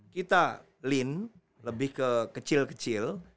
kita lin lebih ke kecil kecil